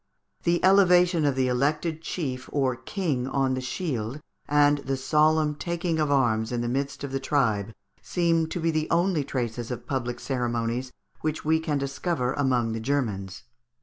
The elevation of the elected chief or king on the shield and the solemn taking of arms in the midst of the tribe seem to be the only traces of public ceremonies which we can discover among the Grermans.